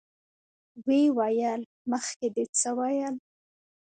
ويې ويل: مخکې دې څه ويل؟